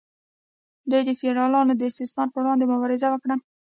دوی د فیوډالانو د استثمار پر وړاندې مبارزه وکړه.